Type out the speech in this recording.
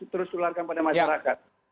terus kita tularkan kepada masyarakat